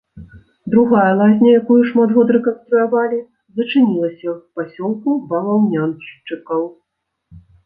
Другая лазня, якую шмат год рэканструявалі, зачынілася ў пасёлку баваўняншчыкаў.